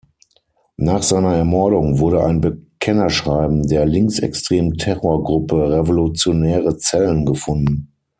Nach seiner Ermordung, wurde ein Bekennerschreiben der linksextremen Terrorgruppe "Revolutionäre Zellen" gefunden.